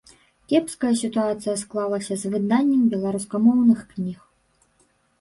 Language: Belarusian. Кепская сітуацыя склалася з выданнем беларускамоўных кніг.